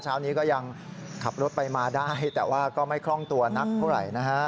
เช้านี้ก็ยังขับรถไปมาได้แต่ว่าก็ไม่คล่องตัวนักเท่าไหร่นะฮะ